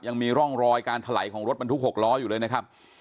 ยังมีร่องรอยการถลายของรถบรรทุก๖ล้ออยู่เลยนะครับ